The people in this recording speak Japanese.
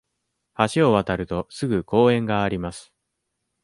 橋を渡ると、すぐ公園があります。